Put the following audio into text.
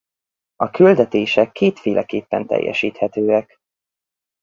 A küldetések kétféleképpen teljesíthetőek.